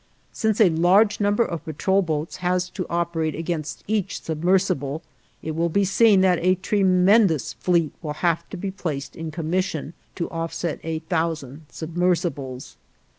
Since a large number of patrol boats has to operate against each submersible, it will be seen that a tremendous fleet will have to be placed in commission to offset a thousand submersibles.